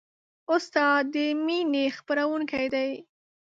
استاد د مینې خپروونکی دی.